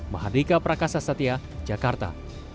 mahadrika prakasa satya jakarta